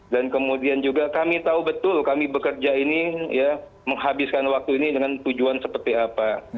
dan kemudian juga kami tahu betul kami bekerja ini ya menghabiskan waktu ini dengan tujuan seperti apa